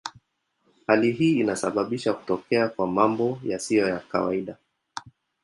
Hali hii inasababisha kutokea kwa mambo yasiyo kawaida.